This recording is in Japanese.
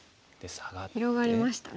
広がりましたね。